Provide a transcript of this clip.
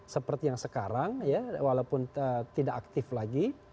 seperti yang sekarang ya walaupun tidak aktif lagi